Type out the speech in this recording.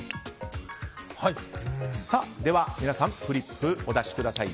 では、皆さんフリップお出しください。